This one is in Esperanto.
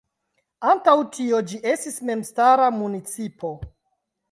Antaŭ tio ĝi estis memstara municipo.